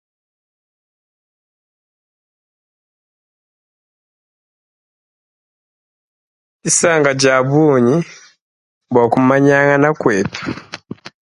Disanka dia bungi buaku manyangana kuetu.